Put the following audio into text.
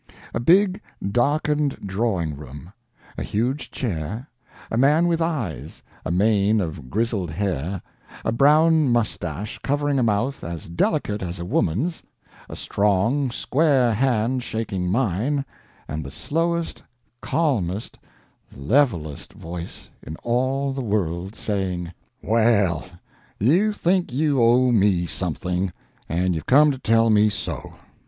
A big, darkened drawing room; a huge chair; a man with eyes, a mane of grizzled hair, a brown mustache covering a mouth as delicate as a woman's, a strong, square hand shaking mine, and the slowest, calmest, levellest voice in all the world saying:— "Well, you think you owe me something, and you've come to tell me so.